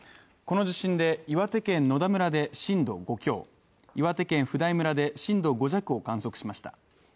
この地震で岩手県野田村で震度５強、岩手県普代村で震度５弱を観測しました。